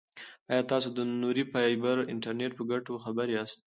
ایا تاسو د نوري فایبر انټرنیټ په ګټو خبر یاست؟